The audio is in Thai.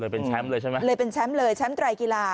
เป็นแชมป์เลยใช่ไหมเลยเป็นแชมป์เลยแชมป์ไตรกีฬา